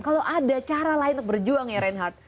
kalau ada cara lain untuk berjuang ya reinhardt